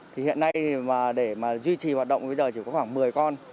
hiện nay để duy trì hoạt động chỉ có khoảng một mươi con